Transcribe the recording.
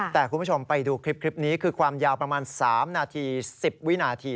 แต่คุณผู้ชมไปดูคลิปนี้คือความยาวประมาณ๓นาที๑๐วินาที